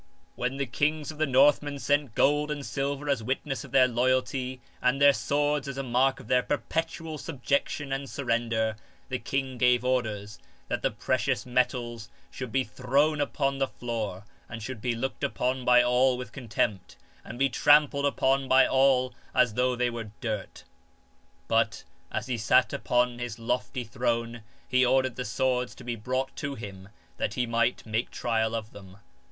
When the kings of the Northmen sent gold and silver as witness of their loyalty and their swords as a mark of their perpetual subjection and surrender, the king gave orders that the precious metals should be »5i THE ENVOYS OF THE NORTHMEN thrown upon the floor, and should be looked upon by all with contempt, and be trampled upon by all as though they were dirt. But, as he sat upon his lofty throne, he ordered the swords to be brought to him that he might make trial of them.